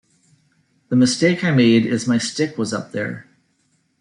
The mistake I made is my stick was up there.